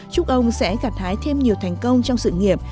chúc ông sẽ gặt hái thêm nhiều thành công trong sự nghiệp